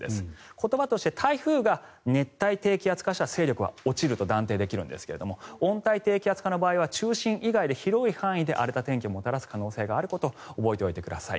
言葉として台風が熱帯低気圧化した勢力は落ちると断定できるんですが温帯低気圧化の場合は中心以外で広い範囲で荒れた天気をもたらす可能性があることを覚えておいてください。